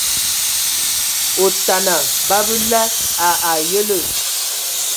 Otana, babǝla a ayǝlə.